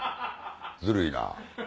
ずるいな。